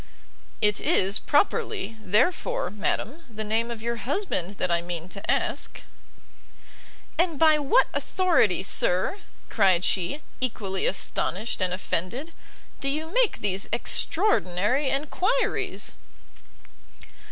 "It is, properly, therefore, madam, the name of your husband that I mean to ask." "And by what authority, sir," cried she, equally astonished and offended, "do you make these extraordinary enquiries?"